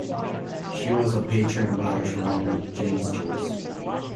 She was a patron of Irish writer James Joyce.